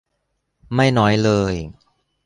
ไม่น้อยเลย